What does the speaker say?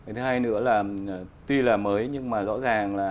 thứ hai nữa là tuy là mới nhưng mà rõ ràng là